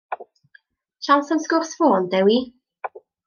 Siawns am sgwrs ffôn, Dewi?